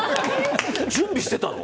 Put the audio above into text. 準備してたの？